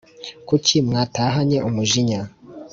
Kuki mwatahanye umujinya